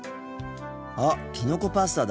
あっきのこパスタだ。